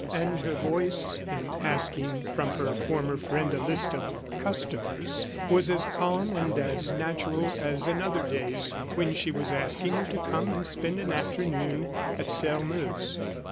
And her voice, in asking from her former friend a list of "customers," was as calm and as natural as in other days, when she was asking her to come and spend an afternoon at Sairmeuse.